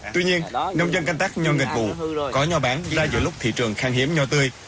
tuy nhiên nông dân canh tác nhòa nghịch vụ có nho bán lại giữa lúc thị trường khang hiếm nho tươi